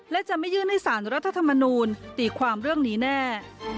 และจะไม่ยื่นให้สารรัฐธรรมนูลตีความเรื่องนี้แน่